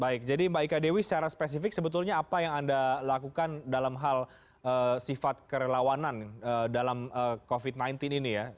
baik jadi mbak ika dewi secara spesifik sebetulnya apa yang anda lakukan dalam hal sifat kerelawanan dalam covid sembilan belas ini ya